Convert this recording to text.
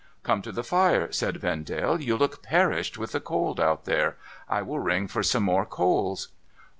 ' Come to the fire,' said Vendale. ' You look perished with the cold out there. I will ring for some more coals.'